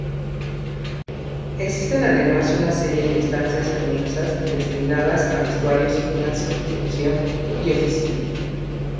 Existen además una serie de estancias anexas destinadas a vestuarios, gimnasio, recepción y oficinas.